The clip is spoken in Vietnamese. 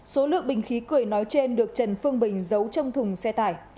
số lượng bình khí cười nói trên được trần phương bình giấu trong thùng xe tải